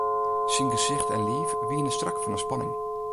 Syn gesicht en liif wiene strak fan 'e spanning.